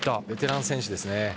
ベテラン選手ですね。